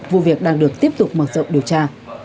vụ việc đang được tiếp tục mở rộng điều tra